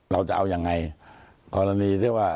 เราจะเอายังไงกรณีที่ว่า